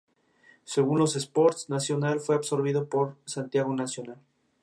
Su madre llamó a la agencia y organizó una entrevista con ellos.